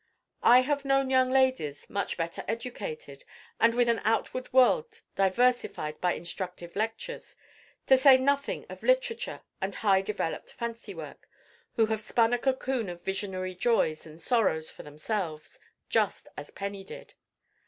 I have known young ladies, much better educated, and with an outward world diversified by instructive lectures, to say nothing of literature and highly developed fancy work, who have spun a cocoon of visionary joys and sorrows for themselves, just as Penny did.